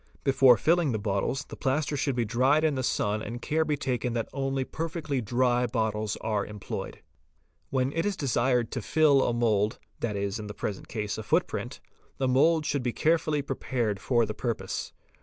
Before ' filling the bottles, the plaster should be dried in the sun and care be taken that only perfectly dry bottles are employed. When it is desired to fill a mould, that is, in the present case, a foot print, the mould should be carefully prepared for the purpose.